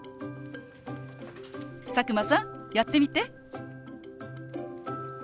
佐久間さんやってみて。